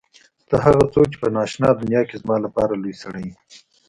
ته هغه څوک چې په نا آشنا دنیا کې زما لپاره لوى سړى وې.